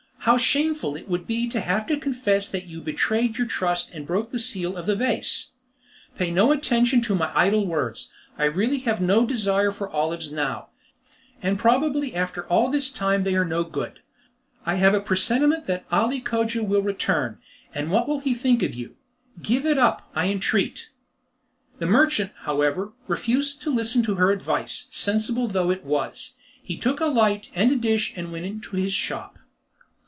How shameful it would be to have to confess that you had betrayed your trust and broken the seal of the vase! Pay no attention to my idle words, I really have no desire for olives now. And probably after all this while they are no longer good. I have a presentiment that Ali Cogia will return, and what will he think of you? Give it up, I entreat." The merchant, however, refused to listen to her advice, sensible though it was. He took a light and a dish and went into his shop.